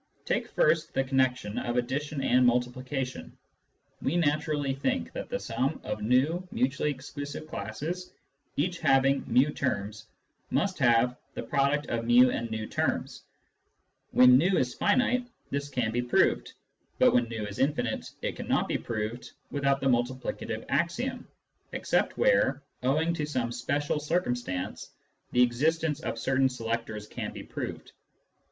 Take first the connection of addition and multiplication. We naturally think that the sum of v mutually exclusive classes, each having fj, terms, must have pXv terms. When v is finite, this can be proved. But when v is infinite, it cannot be proved without the multiplicative axiom, except where, owing to some special cir cumstance, the existence of certain selectors can be proved.